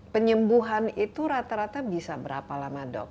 penyembuhan itu rata rata bisa berapa lama dok